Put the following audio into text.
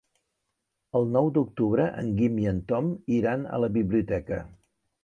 El nou d'octubre en Guim i en Tom iran a la biblioteca.